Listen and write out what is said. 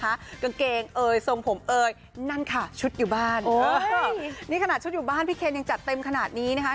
กางเกงเอ่ยทรงผมเอ่ยนั่นค่ะชุดอยู่บ้านนี่ขนาดชุดอยู่บ้านพี่เคนยังจัดเต็มขนาดนี้นะคะ